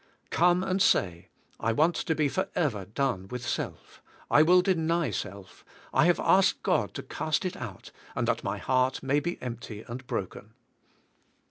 Come and say, I want to be forever done with self; I will deny self; I have asked God to cast it out, and that my heart may be empty and broken.